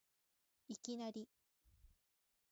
いきなり